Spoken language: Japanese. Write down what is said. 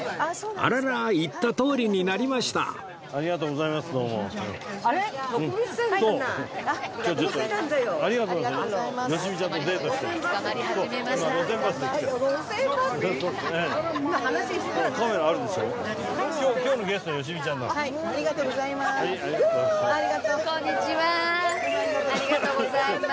ありがとうございます。